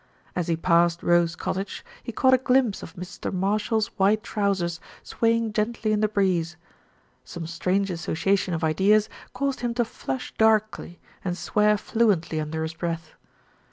As he passed Rose Cottage, he caught a glimpse of Mr. Marshall's white trousers swaying gently in the breeze. Some strange association of ideas caused him to flush darkly and swear fluently under his breath.